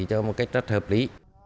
cho một cách rất hợp lý